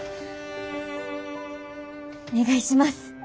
お願いします。